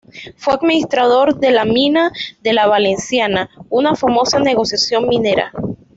Fue administrador de la mina de La Valenciana, una famosa negociación minera.